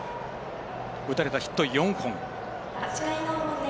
打たれたヒット４本。